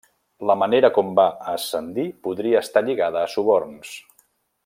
La manera com va ascendir podria estar lligada a suborns.